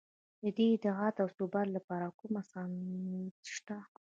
د دې ادعا د اثبات لپاره کوم سند نشته.